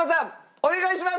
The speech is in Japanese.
お願いします！